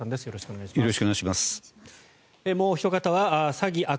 よろしくお願いします。